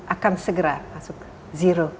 akan segera masuk zero